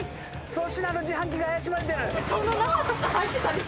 粗品の自販機が怪しまれてる。